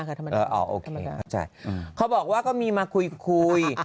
คนบอกว่าก็มีคุยคุย